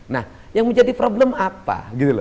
nah yang menjadi problem apa